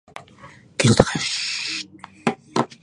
いまの銅駝中学の北にあった木戸孝允の住居跡に移りました